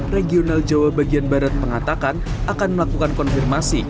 regional jawa bagian barat mengatakan akan melakukan konfirmasi